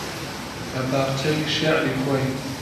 لە باخچەی شێعری خۆی